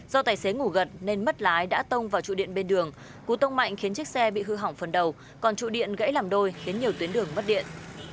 do tài xế ngủ gật nên mất lái đã tông vào trụ điện bên đường cú tông mạnh khiến chiếc xe bị hư hỏng phần đầu còn trụ điện gãy làm đôi khiến nhiều tuyến đường mất điện